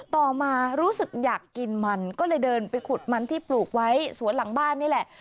ต่อมารู้สึกอยากกินมันก็เลยเดินไปขุดมันที่ปลูกไว้สวนหลังบ้านนี่แหละ